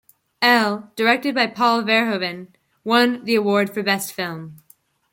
"Elle", directed by Paul Verhoeven, won the award for Best Film.